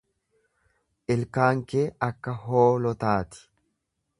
Ilkaan kee akka hoolotaa ti.